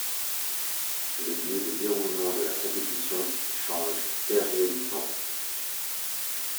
Le lieu de déroulement de la compétition change périodiquement.